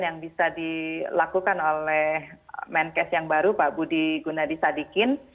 yang bisa dilakukan oleh menkes yang baru pak budi gunadisadikin